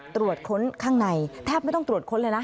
ตรวจค้นข้างในแทบไม่ต้องตรวจค้นเลยนะ